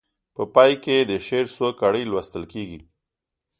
په پای کې یې د شعر څو کړۍ لوستل کیږي.